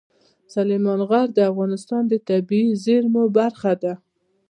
سلیمان غر د افغانستان د طبیعي زیرمو برخه ده.